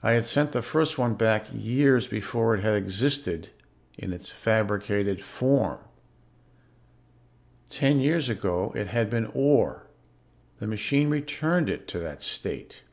I had sent the first one back years before it had existed in its fabricated form. Ten years ago it had been ore. The machine returned it to that state.